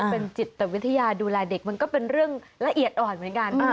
เป็นจิตวิทยาดูแลเด็กมันก็เป็นเรื่องละเอียดอ่อนเหมือนกัน